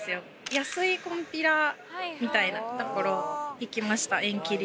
安井金比羅みたいな所行きました縁切り。